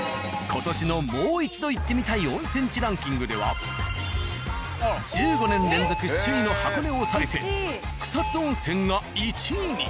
今年のもう一度行ってみたい温泉地ランキングでは１５年連続首位の箱根を抑えて草津温泉が１位に！